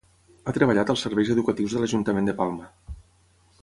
Ha treballat als Serveis Educatius de l’Ajuntament de Palma.